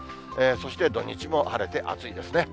そして土日も晴れて、暑いですね。